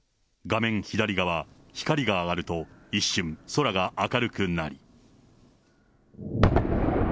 画面左側、光が上がると、一瞬、空が明るくなり。